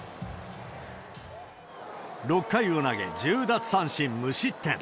６回を投げ、１０奪三振、無失点。